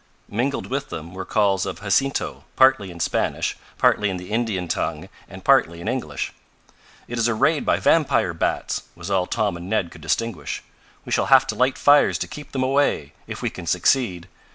Mingled with them were calls of Jacinto, partly in Spanish, partly in the Indian tongue and partly in English. "It is a raid by vampire bats!" was all Tom and Ned could distinguish. "We shall have to light fires to keep them away, if we can succeed.